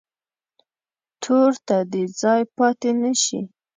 تور ته دې ځای پاتې نه شي.